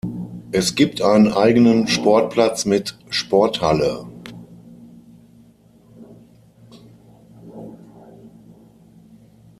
Es gibt einen eigenen Sportplatz mit Sporthalle.